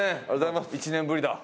１年ぶりだ。